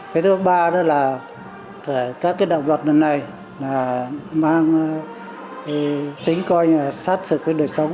cái thứ ba đó là các cái đạo luật lần này là mang tính coi như là sát sực với đời sống